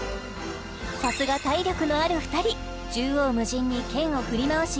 さすが体力のある２人縦横無尽に剣を振り回し見事